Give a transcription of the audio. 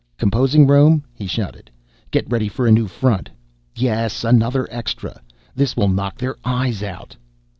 "Composing room," he shouted, "get ready for a new front! Yes, another extra. This will knock their eyes out!"